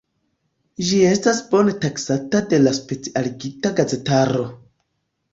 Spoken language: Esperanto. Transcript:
Ĝi estas bone taksata de la specialigita gazetaro.